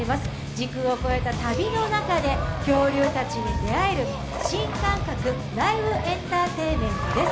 時空を超えた旅の中で恐竜たちに出会える新感覚ライブエンターテインメントです。